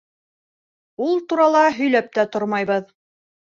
— Ул турала һөйләп тә тормайбыҙ.